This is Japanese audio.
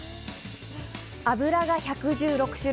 油が１１６種類。